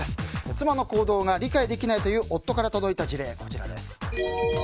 妻の行動が理解できないという夫から届いた事例です。